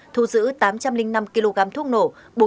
thu giữ tám trăm linh năm kg thuốc nổ